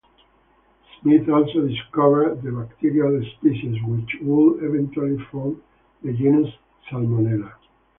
Smith also discovered the bacterial species which would eventually form the genus "Salmonella".